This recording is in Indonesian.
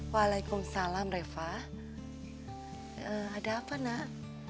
waalaikumsalam reva ada apa nak